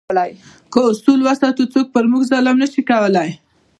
که اصول وساتو، څوک پر موږ ظلم نه شي کولای.